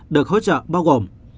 được hỗ trợ bao gồm